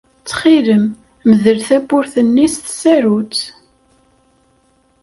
Ttxil-m mdel tawwurt-nni s tsarut.